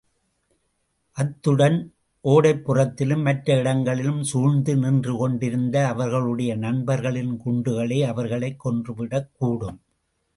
அத்துடன் ஓடைப்புறத்திலும், மற்ற இடங்களிலும் சூழ்ந்து நின்று கொண்டிருந்த அவர்களுடைய நண்பர்களின் குண்டுகளே அவர்களைக் கொன்றுவிடக்கூடும்.